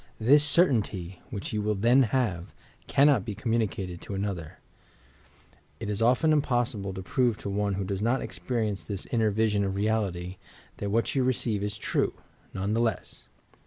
This certaiuty, which you will then have, cannot be communicated to another; it is often impossible to prove to one who does not ex perience this inner vision of reality that what you re ceive M true, none the le.s.s!